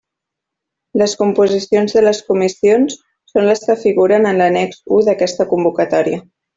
Les composicions de les comissions són les que figuren en l'annex u d'aquesta convocatòria.